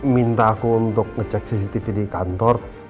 minta aku untuk ngecek cctv di kantor